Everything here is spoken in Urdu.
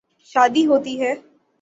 شادی ہوتی ہے۔